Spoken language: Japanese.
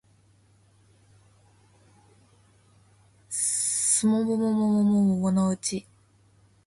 季も桃も桃のうち